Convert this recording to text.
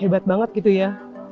hebat banget gitu ya